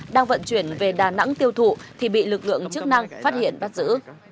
đang vận chuyển về đà nẵng tiêu thụ thì bị lực lượng chức năng phát hiện bắt giữ